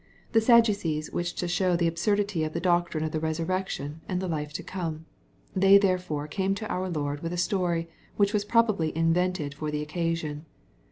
The Sad ducees wished to show the absurdity of the doctrine of the resurrection and the life to come. They therefore came to our Lord with a story which was probably in vented for the occasion.